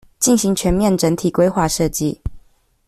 進行全面整體規劃設計